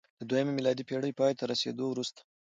د دویمې میلادي پېړۍ پای ته رسېدو وروسته